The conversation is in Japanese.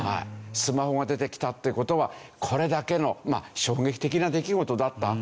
スマホが出てきたっていう事はこれだけの衝撃的な出来事だったっていう事ですよね。